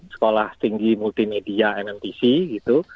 sekolah tinggi multimedia nmtc gitu